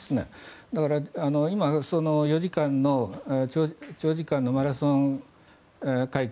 だから今、４時間の長時間のマラソン会見